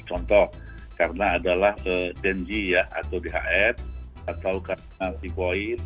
contoh karena adalah deng ya atau dhf atau karena sipoid